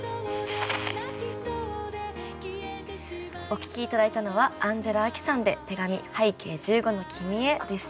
お聴き頂いたのはアンジェラ・アキさんで「手紙拝啓十五の君へ」でした。